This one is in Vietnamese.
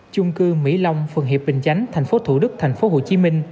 chung cư mỹ long phường hiệp bình chánh tp thủ đức tp hcm